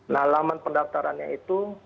nah laman pendaftarannya itu